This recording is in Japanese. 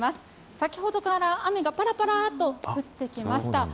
先ほどから雨がぱらぱらっと降ってきました。